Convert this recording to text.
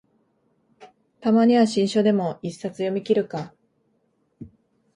たまには新書でも一冊読みきるか